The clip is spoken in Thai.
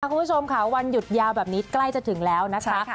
คุณผู้ชมค่ะวันหยุดยาวแบบนี้ใกล้จะถึงแล้วนะคะ